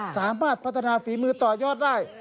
สามารถพัฒนาฝีมือต่อยอดได้